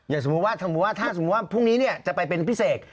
อย่างสมมุติว่าถ้าพรุ่งนี้เนี่ยจะไปเป็นพิเศษ